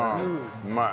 うまい。